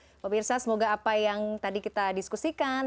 bapak pirsah semoga apa yang tadi kita diskusikan